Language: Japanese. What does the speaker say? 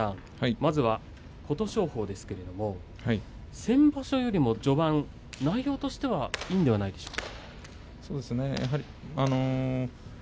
まずは琴勝峰ですが先場所よりも序盤内容としてはいいんではないですか？